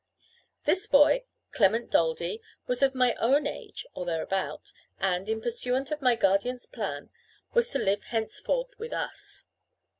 This boy, Clement Daldy, was of my own age, or thereabout, and, in pursuance of my guardian's plan, was to live henceforth with us.